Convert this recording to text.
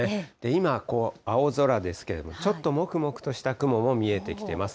今、青空ですけれども、ちょっともくもくとした雲も見えてきています。